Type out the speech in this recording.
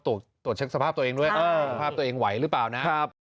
ตรวจเช็คสภาพตัวเองด้วยสภาพตัวเองไหวหรือเปล่านะครับ